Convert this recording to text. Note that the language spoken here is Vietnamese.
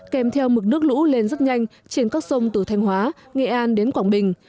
kèm theo mực nước lũ lên rất nhanh trên các sông từ thanh hóa nghệ an đến quảng bình